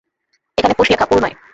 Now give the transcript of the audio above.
এখানে পুশ লেখা, পুল নয়।